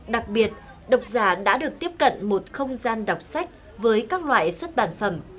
đặc biệt độc giả đã được tiếp cận một không gian đọc sách với các loại xuất bản phẩm